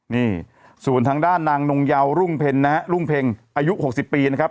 นี่ส่วนทางด้านนางนงเยาวรุ่งเพ็ญนะฮะรุ่งเพ็งอายุ๖๐ปีนะครับ